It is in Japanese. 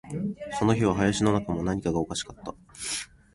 その日は林の中も、何かがおかしかった